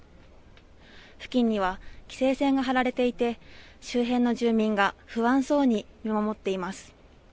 付近には規制線が張られていて周辺の住民が不安そうに見守っています。